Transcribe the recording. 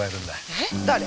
えっ誰？